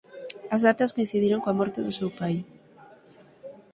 As datas coincidiron coa morte do seu pai.